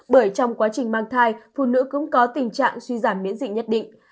bởi trong quá trình mang thai phụ nữ cũng có tình trạng suy giảm miễn dịch nhất định